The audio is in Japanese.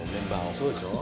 そうでしょ。